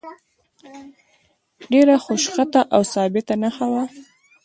ډېره خوشخطه او ثابته نسخه وه.